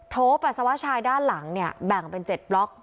โปัสสาวะชายด้านหลังเนี่ยแบ่งเป็น๗บล็อก